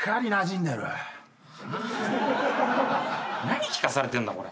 何聞かされてんだ？